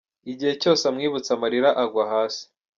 Igihe cyose amwibutse amarira agwa hasi.